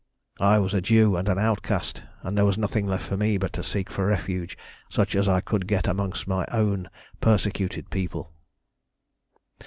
I was a Jew and an outcast, and there was nothing left for me but to seek for refuge such as I could get among my own persecuted people.